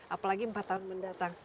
apalagi empat tahun mendatang